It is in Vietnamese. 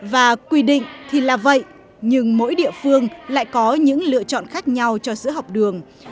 và quy định thì là vậy nhưng mỗi địa phương lại có những lựa chọn khác nhau cho sữa học đường